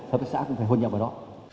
hợp tác xã cũng phải hôn nhau vào đó